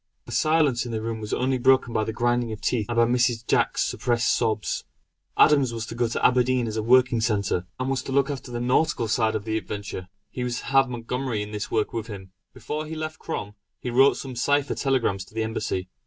The silence in the room was only broken by the grinding of teeth, and by Mrs. Jack's suppressed sobs. Adams was to go to Aberdeen as a working centre, and was to look after the nautical side of the adventure; he was to have Montgomery in this work with him. Before he left Crom, he wrote some cipher telegrams to the Embassy.